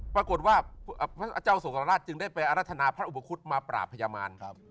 ปรากฏว่าพระเจ้าโศกราชจึงได้ไปอรรถนาพระอุปคุฎมาปราบพยาบาล